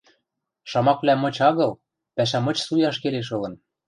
Шамаквлӓ мыч агыл, пӓшӓ мыч суяш келеш ылын.